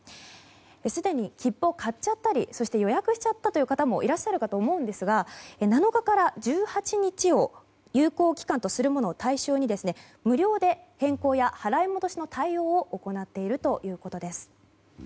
すでに切符を買っちゃったり予約しちゃったりという方いらっしゃるかと思うんですが７日から１８日を有効期間とするものを対象に無料で変更や払い戻しの対応を行っているということです。